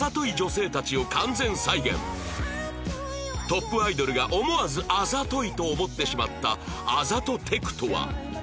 トップアイドルが思わずあざといと思ってしまったあざとテクとは？